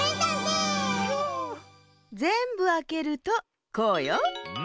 ぜんぶあけるとこうよ。